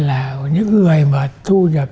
là những người mà thu nhập